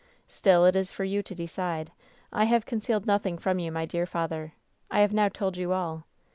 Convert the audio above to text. Still it is for you to decide. I have concealed nothing from you, my dear father. I have now told you all.